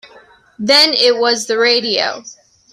Then it was the radio.